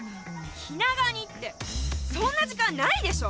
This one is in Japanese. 気長にってそんな時間ないでしょう？